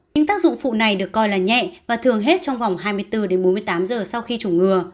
những tác dụng phụ này được coi là nhẹ và thường hết trong vòng hai mươi bốn đến bốn mươi tám giờ sau khi chủng ngừa